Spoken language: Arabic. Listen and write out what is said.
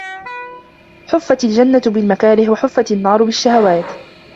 حُفَّتْ الْجَنَّةُ بِالْمَكَارِهِ وَحُفَّتْ النَّارُ بِالشَّهَوَاتِ